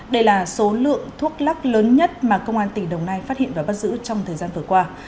đây là số lượng thuốc lắc lớn nhất mà công an tỉnh đồng nai phát hiện và bắt giữ trong thời gian vừa qua